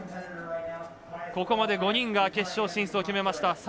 ここまで５人が決勝進出決めました。